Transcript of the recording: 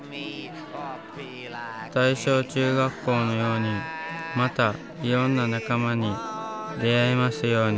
大正中学校のようにまたいろんな仲間に出会えますように。